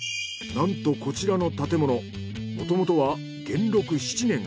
なんとこちらの建物もともとは元禄７年。